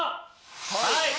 はい。